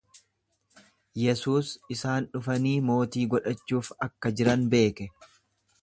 Yesuus isaan dhufanii mootii godhachuuf akka jiran beeke.